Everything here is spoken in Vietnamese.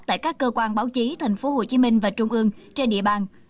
tại các cơ quan báo chí tp hcm và trung ương trên địa bàn